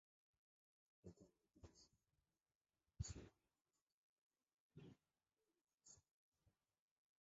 এখানে তার সহপাঠী ছিলেন প্রখ্যাত বিজ্ঞানী মেঘনাদ সাহা।